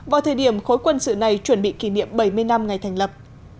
vào thời điểm khối quân sự này chuẩn bị kỷ niệm bảy mươi năm ngày thành lập